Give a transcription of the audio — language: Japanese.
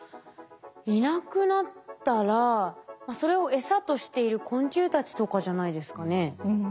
いなくなったらそれを餌としている昆虫たちとかじゃないですかね？